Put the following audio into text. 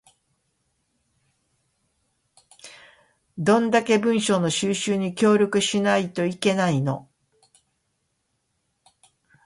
どんだけ文書の収集に協力しないといけないの